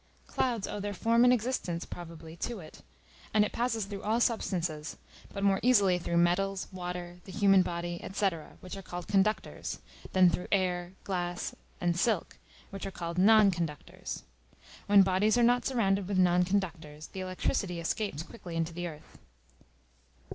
Clouds owe their form and existence, probably, to it; and it passes through all substances, but more easily through metals, water, the human body, &c., which are called conductors, than through air, glass, and silk, which are called non conductors. When bodies are not surrounded with non conductors, the electricity escapes quickly into the earth.